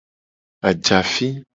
Ajafi.